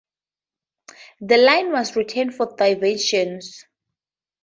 The line was retained for diversions.